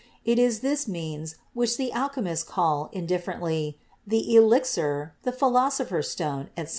It is this means which the alchemists call, indifferently, the elixir, the Philosopher's Stone, etc."